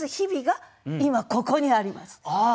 ああ！